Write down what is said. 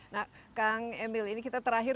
nah kang emil ini kita terakhir